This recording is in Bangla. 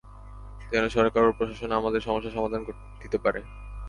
যেন সরকার ও প্রশাসন আমাদের সমস্যার সমাধান দিতে পারে।